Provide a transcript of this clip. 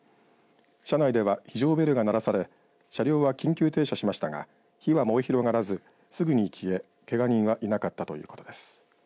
車内では非常ベルが鳴らされ車両は緊急停車しましたが火は燃え広がらず、すぐに消えけが人はいなかったということです。